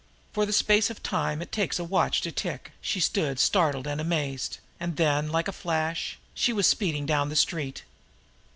For the space of time it takes a watch to tick she stood startled and amazed, and then, like a flash, she was speeding down the street.